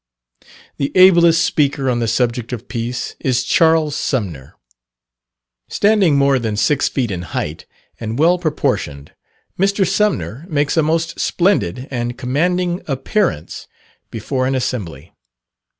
The ablest speaker on the subject of Peace, is Charles Sumner. Standing more than six feet in height, and well proportioned, Mr. Sumner makes a most splendid and commanding appearance before an assembly.